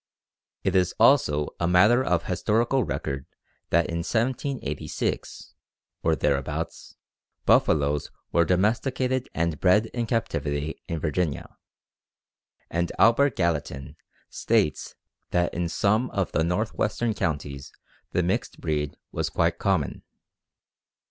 It is also a matter of historical record that in 1786, or thereabouts, buffaloes were domesticated and bred in captivity in Virginia, and Albert Gallatin states that in some of the northwestern counties the mixed breed was quite common.